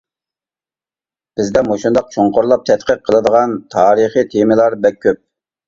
بىزدە مۇشۇنداق چوڭقۇرلاپ تەتقىق قىلىدىغان تارىخىي تېمىلار بەك كۆپ.